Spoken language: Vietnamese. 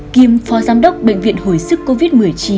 kiêm phó giám đốc bệnh viện hồi sức covid một mươi chín